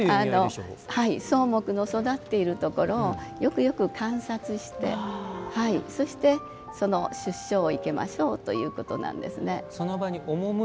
草木の育っているところをよくよく観察してそして、その出生を生けましょうということなんです。